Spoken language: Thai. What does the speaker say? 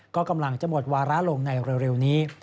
ก็กำลังจะหมดวาระลงในเร็วนี้